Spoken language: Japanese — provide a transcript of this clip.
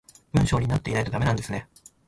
文章になってないとダメなんですね